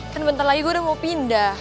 kan bentar lagi gue udah mau pindah